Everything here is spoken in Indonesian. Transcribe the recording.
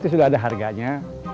disitu sudah ada harganya